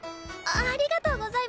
ありがとうございま。